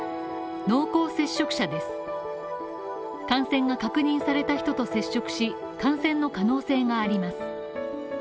感染が確認された人と接触し、感染の可能性があります。